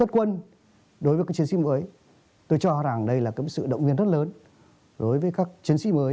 tất quân đối với các chiến sĩ mới tôi cho rằng đây là sự động viên rất lớn đối với các chiến sĩ mới